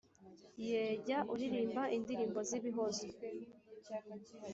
Yeee jya uririmba indirimbo zibihozo